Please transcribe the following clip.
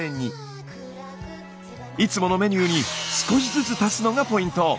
いつものメニューに少しずつ足すのがポイント。